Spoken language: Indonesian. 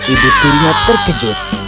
ibu tiri terkejut